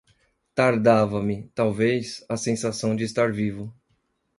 Tardava-me, talvez, a sensação de estar vivo.